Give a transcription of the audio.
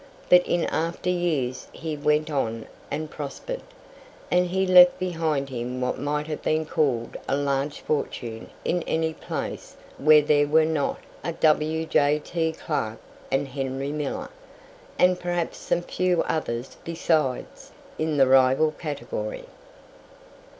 But in after years he went on and prospered, and he left behind him what might have been called a large fortune in any place where there were not a W.J.T. Clarke and a Henry Miller, and perhaps some few others besides, in the rival category.